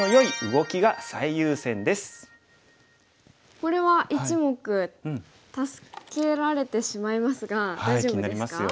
これは１目助けられてしまいますが大丈夫ですか？